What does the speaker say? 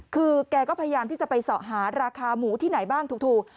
คือแกก็พยายามที่จะไปเสาะหาราคาหมูที่ไหนบ้างถูก